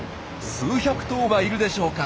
数百頭はいるでしょうか。